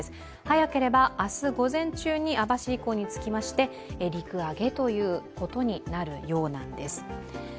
早ければ明日午前中に網走港につきまして、陸揚げということになるようなんです。